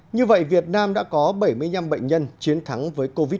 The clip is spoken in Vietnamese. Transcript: như vậy việt nam đã có bảy mươi năm bệnh nhân chiến thắng với covid một mươi chín